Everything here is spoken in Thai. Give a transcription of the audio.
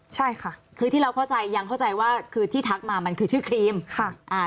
ใช่ค่ะคือที่เราเข้าใจยังเข้าใจว่าคือที่ทักมามันคือชื่อครีมค่ะอ่า